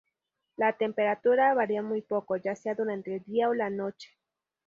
La temperatura varía muy poco, ya sea durante el día o la noche.